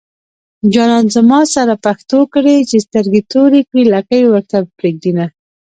جانان زما سره پښتو کړي چې سترګې توري کړي لکۍ ورته پرېږدينه